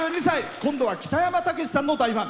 今度は北山たけしさんの大ファン。